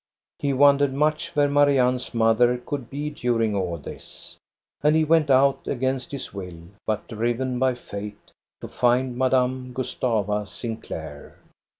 He wondered much where Marianne's mother could be during all this. And he went out, against his will, but driven by fate, to find Madame Gustava Sinclair.